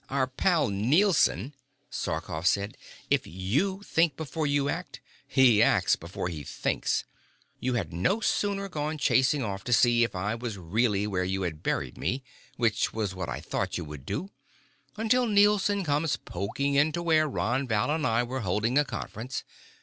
"Our pal Nielson," Sarkoff said. "If you think before you act, he acts before he thinks. You had no sooner gone chasing off to see if I was really where you had buried me, which was what I thought you would do, until Nielson comes poking into where Ron Val and I were holding a conference.